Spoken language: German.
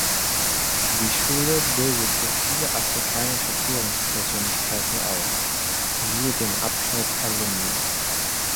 Die Schule bildete viele afrikanische Führungspersönlichkeiten aus (siehe den Abschnitt Alumni).